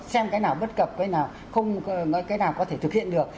xem cái nào bất cập cái nào có thể thực hiện được